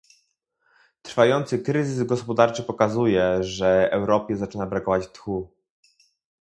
Trwający kryzys gospodarczy pokazuje, że Europie zaczyna brakować tchu